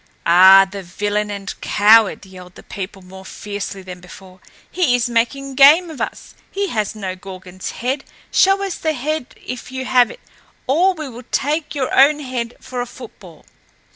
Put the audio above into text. "Ah, the villain and coward!" yelled the people more fiercely than before. "He is making game of us! He has no Gorgon's head! Show us the head if you have it, or we will take your own head for a football!"